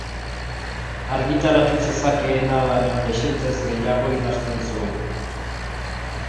Argitaratu zezakeena baino dezentez gehiago idazten zuen.